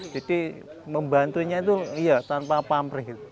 jadi membantunya itu iya tanpa pamrih